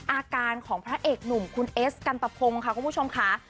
อาการของพระเอกหนุ่มคุณเอสกันตะพงค่ะคุณผู้ชมค่ะ